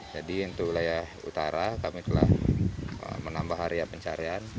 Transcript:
jadi untuk wilayah utara kami telah menambah area pencarian